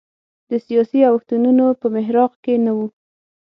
د سیاسي اوښتونونو په محراق کې نه و.